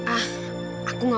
ah aku gak mau